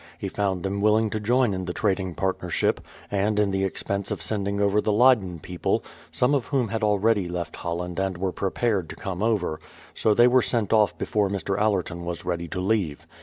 He found theni willing to join in the trading partnership, and in the expense of sending over the Leyden people, some of whom had already left Holland and were prepared to come over, so they were sent off before Mr. AUerton was ready to leave.